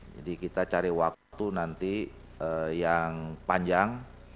jadi kita cari waktu nanti yang panjang